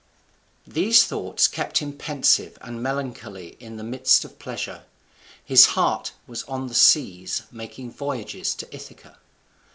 These thoughts kept him pensive and melancholy in the midst of pleasure. His heart was on the seas, making voyages to Ithaca.